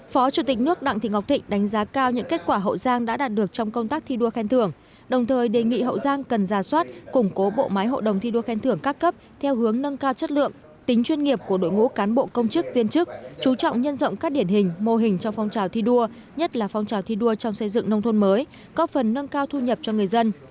phó chủ tịch nước đặng thị ngọc thịnh đánh giá cao những kết quả hậu giang đã đạt được trong công tác thi đua khen thưởng đồng thời đề nghị hậu giang cần ra soát củng cố bộ máy hội đồng thi đua khen thưởng các cấp theo hướng nâng cao chất lượng tính chuyên nghiệp của đội ngũ cán bộ công chức viên chức chú trọng nhân rộng các điển hình mô hình trong phong trào thi đua nhất là phong trào thi đua trong xây dựng nông thôn mới có phần nâng cao thu nhập cho người dân